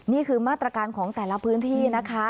นี่คือมาตรการของแต่ละพื้นที่นะคะ